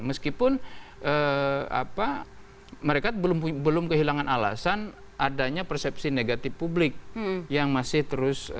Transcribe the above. meskipun mereka belum kehilangan alasan adanya persepsi negatif publik yang masih terus